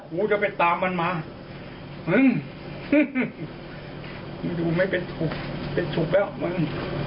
กูจะไปตามมันมามึงกูดูไม่เป็นสุขเป็นสุขแล้วมึง